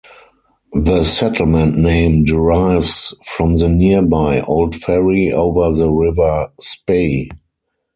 The settlement name derives from the nearby old ferry over the River Spey.